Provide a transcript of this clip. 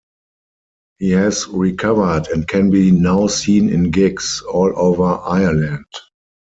He has recovered and can be now seen in gigs all over Ireland.